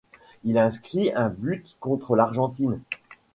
Il inscrit un but contre l'Argentine.